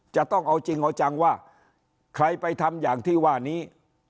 จะต้องเอาจริงเอาจังว่าใครไปทำอย่างที่ว่านี้